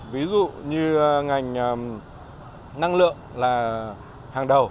ví dụ như ngành năng lượng